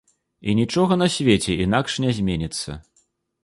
І нічога на свеце інакш не зменіцца.